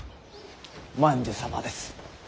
万寿様です。